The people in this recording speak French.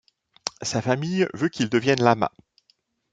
Sa famille veut qu'il devient Lama.